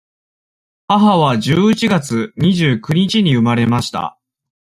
母は十一月二十九日に生まれました。